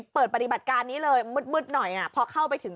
เปิดปฏิบัติการนี้เลยมืดหน่อยพอเข้าไปถึง